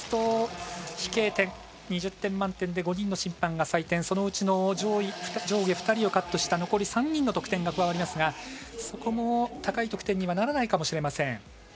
飛型点、２０点満点で５人の審判が採点、そのうちの上下２人をカットした残り３人の得点が加わりますがそこも高い得点にはならないかもしれません。